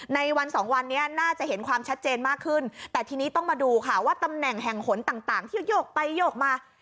ในวันสองวันนี้น่าจะเห็นความชัดเจนมากขึ้นแต่ทีนี้ต้องมาดูค่ะว่าตำแหน่งแห่งหนต่างที่โยกไปโยกมา